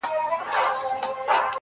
هغه بدل دی لکه غږ چي مات بنگړی نه کوي